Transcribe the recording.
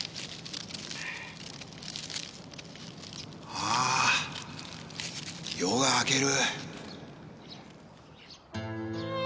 ああ夜が明ける。